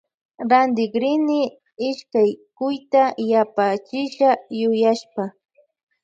Rantirkni ishkay cuyta yapachisha yuyashpa.